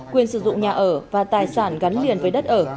quyền sử dụng nhà ở và tài sản gắn liền với đất ở